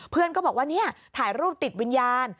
เพื่อนก็บอกว่าเนี่ยถ่ายรูปติดวิญญาณ